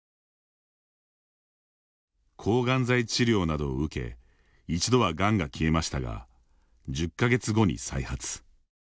抗がん剤治療などを受け一度はがんが消えましたが１０か月後に再発。